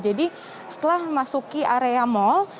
jadi setelah memasuki area mal